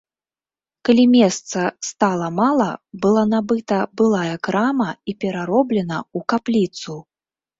Калі месца стала мала, была набыта былая крама і перароблена ў капліцу.